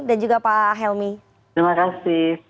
dan juga pak helmi terima kasih